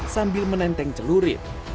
sambil menenteng celurit